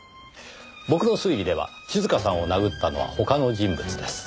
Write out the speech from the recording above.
僕の推理では静香さんを殴ったのは他の人物です。